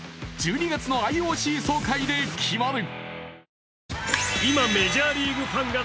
１２月のＩＯＣ総会で決まる。